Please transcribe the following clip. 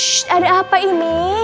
shhh ada apa ini